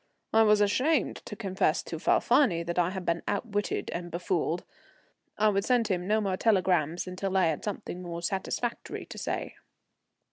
I was ashamed to confess to Falfani that I had been outwitted and befooled. I would send him no more telegrams until I had something more satisfactory to say.